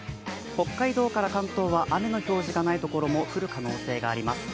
北海道から関東は雨の表示がないところも降る可能性があります。